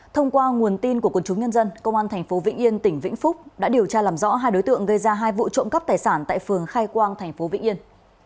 thông qua nguồn tin của quân chúng nhân dân công an tp vĩnh yên tỉnh vĩnh phúc đã điều tra làm rõ hai đối tượng gây ra hai vụ trộm cắp tài sản tại phường khai quang tp vĩnh yên